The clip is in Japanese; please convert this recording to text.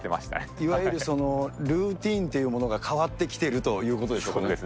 いわゆるルーティンというものが変わってきてるということでしょうかね。